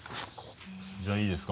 じゃあいいですか？